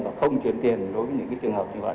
và không chuyển tiền đối với những trường hợp như vậy